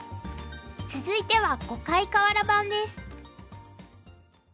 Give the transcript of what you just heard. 続いては「碁界かわら盤」です。